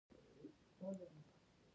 شپې او ورځې د ځمکې د تاوېدو له امله دي.